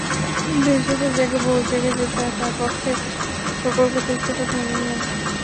বিশেষত যাকে বহু জায়গায় যেতে হয়, তার পক্ষে সকলকে তুষ্ট করা সম্ভব নয়।